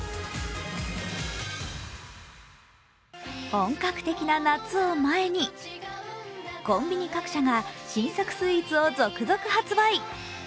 本格的な夏を前に、コンビニ各社が新作スイーツを続々発売。